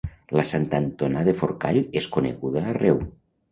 La Santantonà de Forcall és coneguda arreu